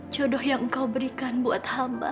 jodoh yang engkau berikan buat hamba